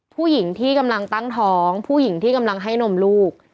ผู้หญิงที่กำลังตั้งท้องผู้หญิงที่กำลังให้นมลูก